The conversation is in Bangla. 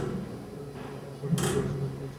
রমেশবাবু, গুণীর মর্যাদা আমি বুঝি।